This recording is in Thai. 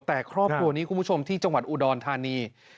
แต่ครอบครัวนี้คุณผู้ชมที่จังหวัดอุดรธานี